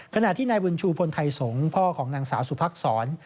ขณะที่นายบุญชูพลไทยสงศ์พ่อของนางสาวสุพักษร